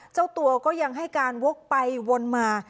เจ้าตัวก็ยังให้การวกไปวนมา